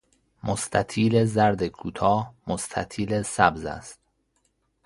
مستطیل زرد کوتاه مستطیل سبز است.